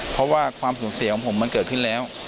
เพราะว่าความสูญเสียของผมมันเกิดขึ้นแล้ว